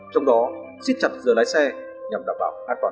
trong đó xích chặt giờ lái xe nhằm đảm bảo an toàn giao thông